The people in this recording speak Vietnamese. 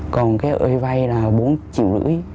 còn cái vay là bốn triệu rưỡi